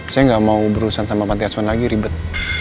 saya gak mau berurusan sama panti aswan lagi ribet